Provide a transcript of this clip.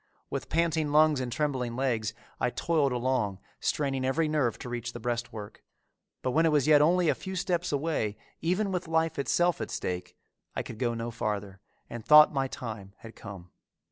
With panting lungs and trembling legs I toiled along, straining every nerve to reach the breastwork, but when it was yet only a few steps away, even with life itself at stake, I could go no farther, and thought my time had come.